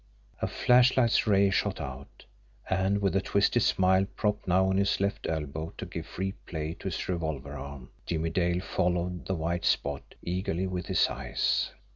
A flashlight's ray shot out and, with a twisted smile propped now on his left elbow to give free play to his revolver arm, Jimmie Dale followed the white spot eagerly with his eyes.